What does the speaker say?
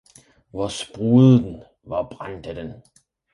hvor sprudede den, hvor brændte den!